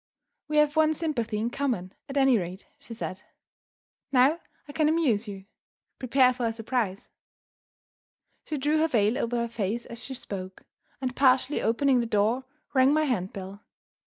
"We have one sympathy in common, at any rate," she said. "Now I can amuse you! Prepare for a surprise." She drew her veil over her face as she spoke, and, partially opening the door, rang my handbell.